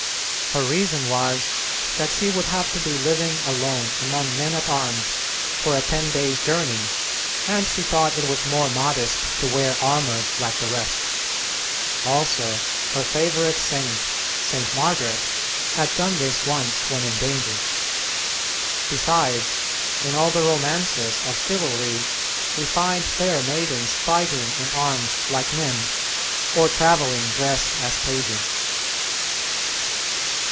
Her reason was that she would have to be living alone among men at arms for a ten days' journey and she thought it was more modest to wear armor like the rest. Also, her favorite saint, St. Margaret, had done this once when in danger. Besides, in all the romances of chivalry, we find fair maidens fighting in arms like men, or travelling dressed as pages.